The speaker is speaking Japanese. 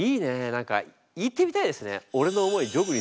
何か言ってみたいですね。